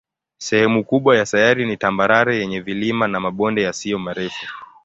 Sehemu kubwa ya sayari ni tambarare yenye vilima na mabonde yasiyo marefu.